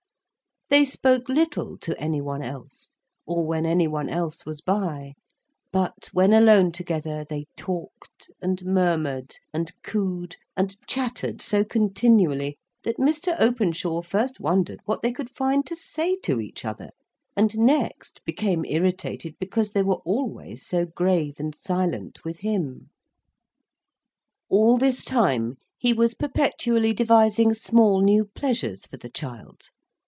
They spoke little to any one else, or when any one else was by; but, when alone together, they talked, and murmured, and cooed, and chattered so continually, that Mr. Openshaw first wondered what they could find to say to each other, and next became irritated because they were always so grave and silent with him. All this time, he was perpetually devising small new pleasures for the child.